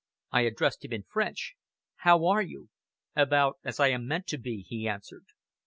I addressed him in French: "How are you?" "About as I am meant to be," he answered.